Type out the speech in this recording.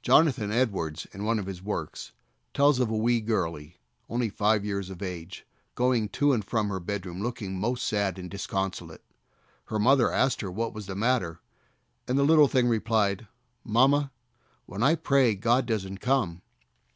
Jonathan Edwards, in one of his works, tells of a wee girlie, only five years of age, going to and from her bedroom looking most sad and disconsolate. Her mother asked her what was the matter, and the little thing replied, "Mamma, when I pray God doesn't come."